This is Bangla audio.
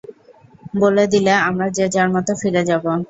বলে দিলে আমরা যে যার মতো ফিরে যাবো।